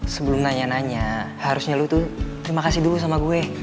sebelum nanya nanya harusnya lu tuh terima kasih dulu sama gue